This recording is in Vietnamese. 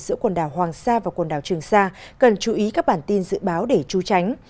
giữa quần đảo hoàng sa và quần đảo trường sa cần chú ý các bản tin dự báo để tru tránh